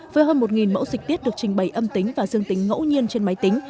với hơn một mẫu dịch tiết được trình bày âm tính và dương tính ngẫu nhiên trên máy tính